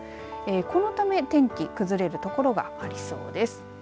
このため天気崩れるところがありそうです。